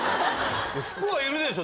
福はいるでしょ。